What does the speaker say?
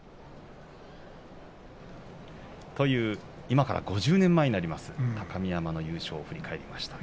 今から５０年前になります高見山の優勝を振り返りました。